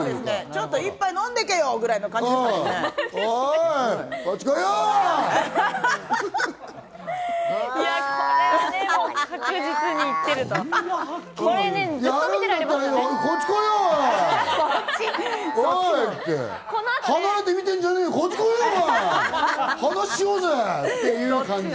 「ちょっと一杯飲んでけよ」みたいな感じ。